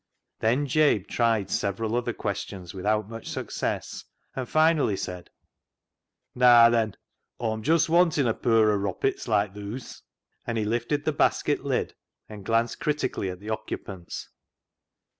Then Jabe tried [several other questions without much success, and finally said —" Naa, then, Aw'm just wantin' a pur [pair] o' roppits like thoose," and he lifted the basket lid and glanced critically at the occupants.